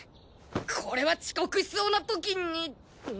これは遅刻しそうなときに。